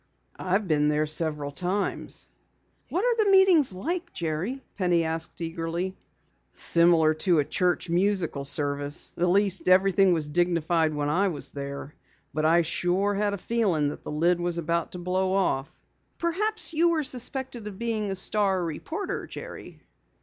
"I've been there several times." "What are the meetings like, Jerry?" Penny asked eagerly. "Similar to a church musical service. At least everything was dignified when I was there. But I sure had a feeling that the lid was about to blow off." "Perhaps you were suspected of being a Star reporter, Jerry."